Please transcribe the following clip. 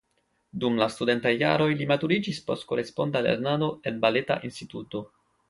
Dum la studentaj jaroj li maturiĝis post koresponda lernado en Baleta Instituto.